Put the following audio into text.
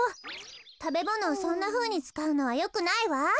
たべものをそんなふうにつかうのはよくないわ。